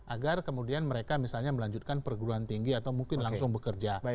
agar kemudian mereka misalnya melanjutkan perguruan tinggi atau mungkin langsung bekerja